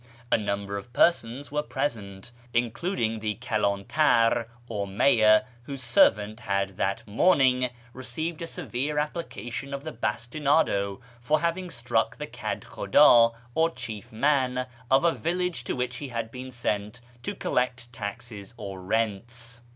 A number of persons were pre sent, including the kaldntar, or mayor, whose servant had that morning received a severe application of the bastinado for having struck the hed hhudA, or chief man, of a village to which he had been sent to collect taxes or rents.